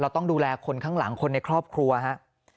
ต้องดูแลคนข้างหลังคนในครอบครัวฮะ